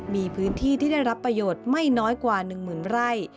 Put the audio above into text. มีพื้นที่ที่ได้รับประโยชน์ไม่น้อยกว่า๑๐๐๐ไร่